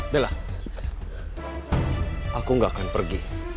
lelah aku gak akan pergi